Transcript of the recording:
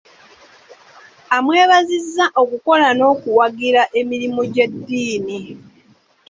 Amwebazizza okukola n'okuwagira emirimu gy'eddiini.